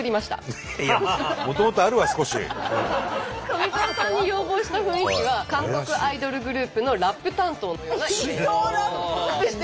富澤さんに要望した雰囲気は韓国アイドルグループのラップ担当のようなイメージ。